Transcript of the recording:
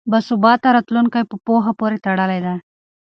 باثباته راتلونکی په پوهه پورې تړلی دی.